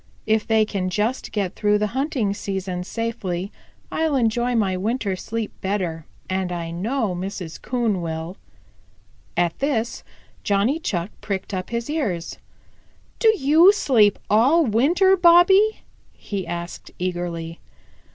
If they can just get through the hunting season safely, I'll enjoy my winter sleep better, and I know Mrs. Coon will." At this Johnny Chuck pricked up his ears. "Do you sleep all winter, Bobby?" he asked eagerly.